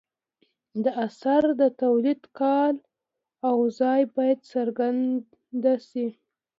د اثر د تولید کال او ځای باید څرګند شي.